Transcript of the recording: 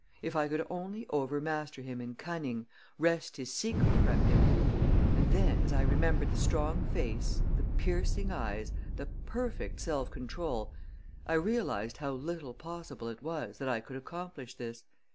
If I could only overmaster him in cunning, wrest his secret from him and then, as I remembered the strong face, the piercing eyes, the perfect self control, I realized how little possible it was that I could accomplish this.